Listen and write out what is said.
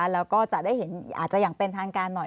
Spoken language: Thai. แล้วก็จะได้เห็นอาจจะอย่างเป็นทางการหน่อย